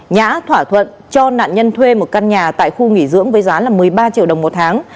nhã thỏa thuận cho nạn nhân thuê một căn nhà tại khu nghỉ dưỡng với giá một mươi ba triệu đồng một tháng